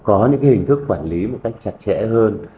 có những hình thức quản lý một cách chặt chẽ hơn